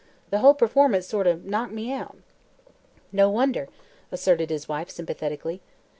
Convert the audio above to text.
The whole performance sort o' knocked me out." "No wonder," asserted, his wife sympathetically.